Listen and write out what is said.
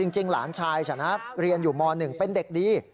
จริงหลานชายฉันเรียนอยู่ม๑เป็นเด็กดี